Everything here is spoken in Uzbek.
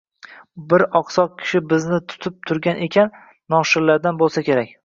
Bir oqsoq kishi bizni kutib turgan ekan, noshirlardan bo’lsa kerak